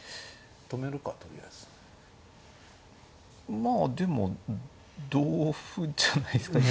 まあでも同歩じゃないですか。